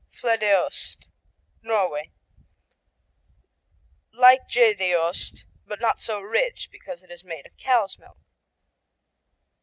Floedeost Norway Like Gjedeost, but not so rich because it's made of cow's milk.